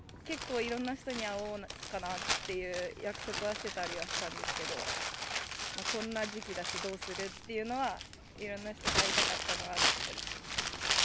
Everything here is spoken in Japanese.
結構いろんな人に会おうかなっていう約束はしてたりはしてたんですけど、こんな時期だし、どうするっていうのは、いろんな人と会いたかったんですけど。